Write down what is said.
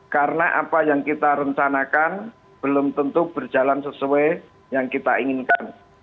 karena apa yang kita rencanakan belum tentu berjalan sesuai yang kita inginkan